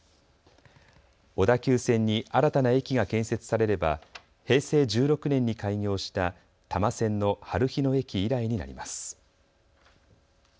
小田急線に新たな駅が建設されれば平成１６年に開業した多摩線のはるひ野駅以来になります。